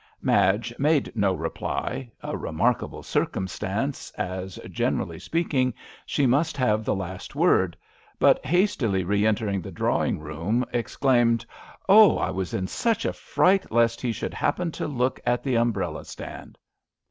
Madge made no reply — a re markable circumstance, as, gene rally speaking, she must have the last word, but hastily re entering the drawing room exclaimed :" Oh, I was in such a fright lest he should happen to look at the umbrella stand."